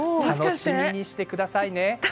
楽しみにしてくださいね。